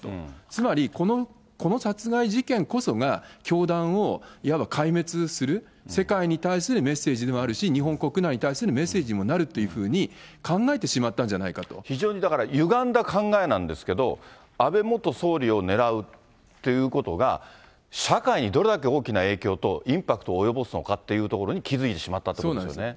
つまりこの殺害事件こそが、教団をいわば壊滅する、世界に対するメッセージでもあるし、日本国内に対するメッセージにもなるっていうふうに考えてしまっ非常に、だからゆがんだ考えなんですけれども、安倍元総理を狙うということが、社会にどれだけ大きな影響とインパクトを及ぼすのかというところに気付いてしまったということでしょうね。